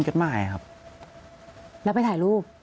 ก็คลิปออกมาแบบนี้เลยว่ามีอาวุธปืนแน่นอน